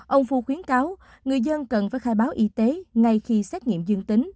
ông phu khuyến cáo người dân cần phải khai báo y tế ngay khi xét nghiệm dương tính